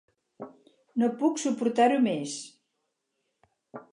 No puc suportar- ho més